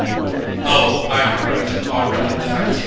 AMADEUS "Oh, I regret already that I came."